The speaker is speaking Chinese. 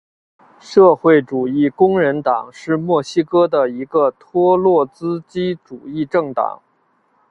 社会主义工人党是墨西哥的一个托洛茨基主义政党。